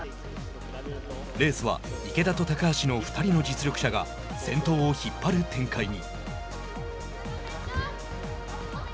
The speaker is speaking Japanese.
レースは池田と高橋の２人の実力者が先頭を引っ張る展開に。